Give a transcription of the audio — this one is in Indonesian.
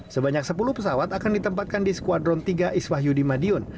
sebanyak sepuluh pesawat akan ditempatkan di skuadron tiga iswah yudi madiun